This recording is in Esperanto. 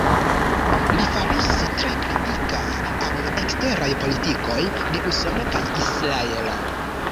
Li fariĝis tre kritika al la eksteraj politikoj de Usono kaj Israelo.